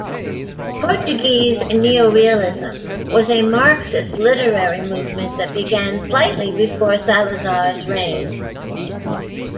Portuguese neorealism was a marxist literary movement that began slightly before Salazar's reign.